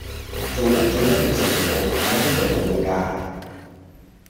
做人最緊要食腦，太衝動無用架